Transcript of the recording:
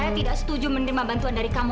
saya tidak setuju menerima bantuan dari kamu